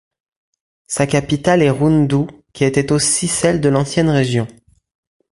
Sa capitale est Rundu, qui était aussi celle de l'ancienne région.